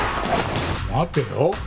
待てよ。